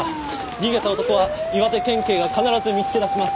逃げた男は岩手県警が必ず見付け出します。